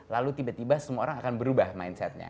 lalu tiba tiba semua orang akan berubah mindsetnya